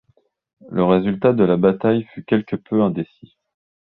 Le résultat de la bataille fut quelque peu indécis.